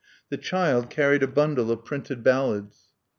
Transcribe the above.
The child carried a bundle of printed ballads.